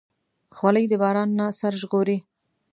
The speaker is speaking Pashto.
خولۍ د باران نه سر ژغوري.